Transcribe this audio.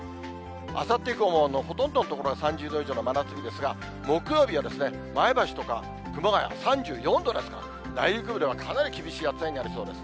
あさって以降もほとんどの所が３０度以上の真夏日ですが、木曜日は前橋とか熊谷、３４度ですから、内陸部ではかなり厳しい暑さになりそうです。